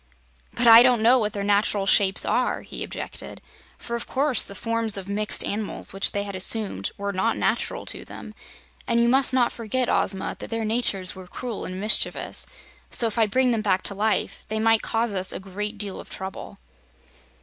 "But I don't know what their natural shapes are," he objected, "for of course the forms of mixed animals which they had assumed were not natural to them. And you must not forget, Ozma, that their natures were cruel and mischievous, so if I bring them back to life they might cause us a great deal of trouble."